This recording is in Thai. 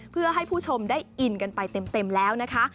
เพื่อให้ผู้ชมได้อินกันไปเต็มแล้วนะคะ